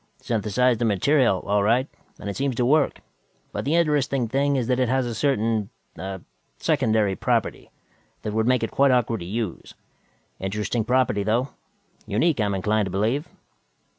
"Synthesized the material, all right, and it seems to work, but the interesting thing is that it has a certain ah secondary property that would make it quite awkward to use. Interesting property, though. Unique, I am inclined to believe."